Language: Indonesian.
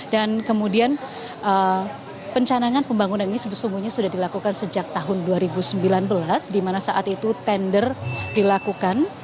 dan kemudian pencanangan pembangunan ini sebesungguhnya sudah dilakukan sejak tahun dua ribu sembilan belas di mana saat itu tender dilakukan